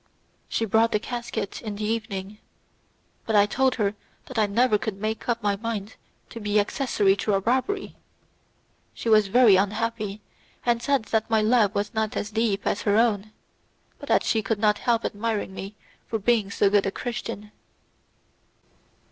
She brought the casket in the evening, but I told her that I never could make up my mind to be accessory to a robbery; she was very unhappy, and said that my love was not as deep as her own, but that she could not help admiring me for being so good a Christian.